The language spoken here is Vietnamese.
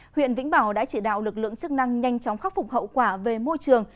huyện vĩnh bảo đã chỉ đạo lực lượng chức năng nhanh chóng khắc phục hậu quả về môi trường